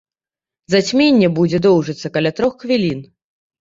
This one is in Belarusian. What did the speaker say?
Зацьменне будзе доўжыцца каля трох хвілін.